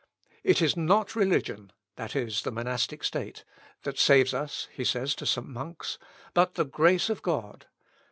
"It is not religion" (that is, the monastic state) "that saves us," says he to some monks, "but the grace of God.